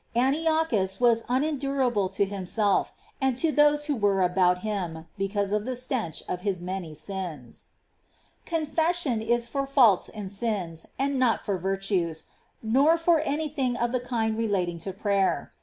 10. Antiochus was unendurable to himself, and to those 408 S. TERESA'S RELATIONS [REL. V. who were about him, because of the stench of his many sins.^ 11. Confession is for faults and sins, and not for Sfession. virtues, uor for any thing of the kind relating to prayer.